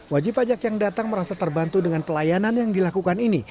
wajib pajak yang datang merasa terbantu dengan pelayanan yang dilakukan ini